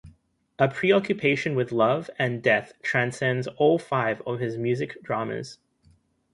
A preoccupation with love and death transcends all five of his music dramas.